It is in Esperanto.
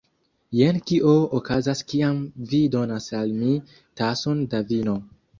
Jen kio okazas kiam vi donas al mi tason da vino